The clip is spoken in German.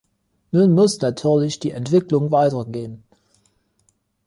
Nun muss natürlich die Entwicklung weitergehen.